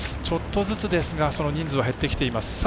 ちょっとずつですが人数は減ってきています。